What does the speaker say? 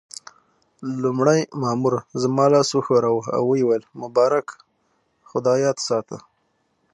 لومړي مامور زما لاس وښوراوه او ويې ویل: مبارک، خو دا یاد ساته.